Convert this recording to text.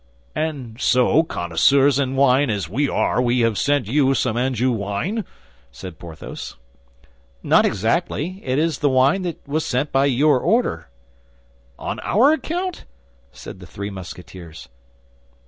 "And so, connoisseurs in wine as we are, we have sent you some Anjou wine?" said Porthos. "Not exactly, it is the wine that was sent by your order." "On our account?" said the three Musketeers.